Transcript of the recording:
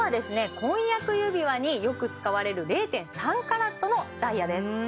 婚約指輪によく使われる０．３ｃｔのダイヤです